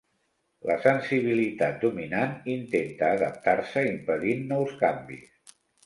La sensibilitat dominant intenta adaptar-se impedint nous canvis.